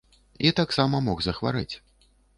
І таксама мог захварэць.